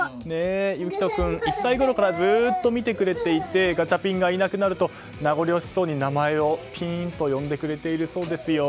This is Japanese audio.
幸杜君１歳ごろからずっと見てくれていてガチャピンがいなくなると名残惜しそうに名前をピーンと呼んでくれているそうですよ。